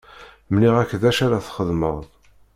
Mliɣ-ak d acu ara txedmeḍ.